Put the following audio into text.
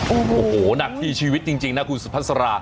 โอ้โหหนักที่ชีวิตจริงนะคุณสุภาษา